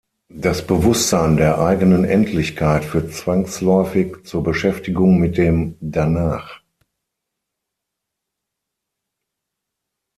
Das Bewusstsein der eigenen Endlichkeit führt zwangsläufig zur Beschäftigung mit dem "Danach".